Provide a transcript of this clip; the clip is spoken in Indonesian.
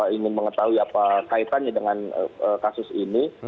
ingin mengetahui apa kaitannya dengan kasus ini